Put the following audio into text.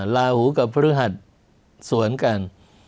ลาหูกับพฤหัสสวนกัน